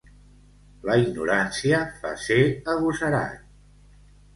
La ignorància fa ser agosarat.